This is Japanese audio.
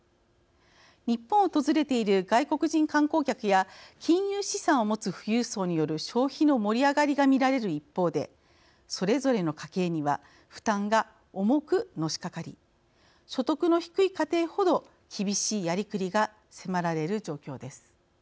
日本を訪れている外国人観光客や金融資産をもつ富裕層による消費の盛り上がりが見られる一方でそれぞれの家計には負担が重くのしかかり所得の低い家庭ほど厳しいやりくりが迫られる状況です。